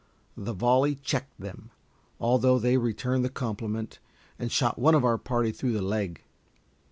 The volley checked them, although they returned the compliment, and shot one of our party through the leg.